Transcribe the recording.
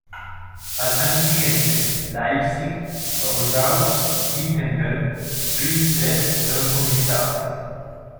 Al año siguiente, Leipzig, Torgau, Wittenberg y Dresde fueron conquistadas.